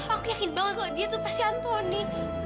kok yakin banget kok dia tuh pasti antoni